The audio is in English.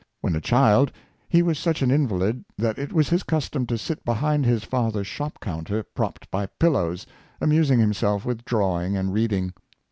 When a child he was such an invalid that it was his custom to sit behind his father's shop counter propped by pillows, amusing himself with drawing and reading.